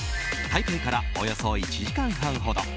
台北からおよそ１時間半ほど。